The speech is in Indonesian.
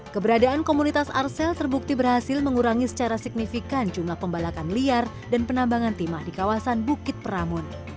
keberadaan komunitas arsel terbukti berhasil mengurangi secara signifikan jumlah pembalakan liar dan penambangan timah di kawasan bukit peramun